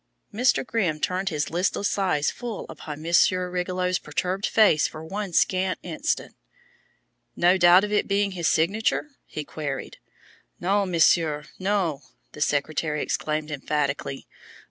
Mr. Grimm turned his listless eyes full upon Monsieur Rigolot's perturbed face for one scant instant. "No doubt of it being his signature?" he queried. "Non, Monsieur, non!" the secretary exclaimed emphatically.